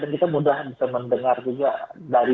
dan kita mudah bisa mendengar juga